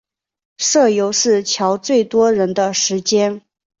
社游是乔最多人的时间